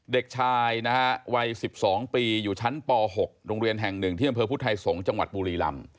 เด็กชายนะฮะวัย๑๒ปีอยู่ชั้นป๖โรงเรียนแห่งหนึ่งที่อำเภอพุทธไทยสงศ์จังหวัดบุรีลำ